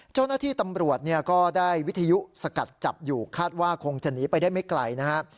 เจ้าหน้าที่ตำรวจก็ได้วิทยุสกัดจับอยู่คาดว่าคงจะหนีไปได้ไม่ไกลนะครับ